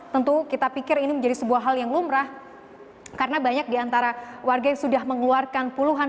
tentu kita pikir ini menjadi sebuah hal yang lumrah karena banyak diantara warga yang sudah mengeluarkan puluhan